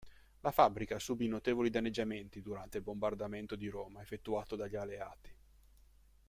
La fabbrica subì notevoli danneggiamenti durante il bombardamento di Roma effettuato dagli Alleati.